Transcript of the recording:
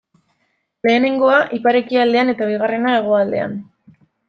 Lehenengoa ipar-ekialdean eta bigarrena hegoaldean.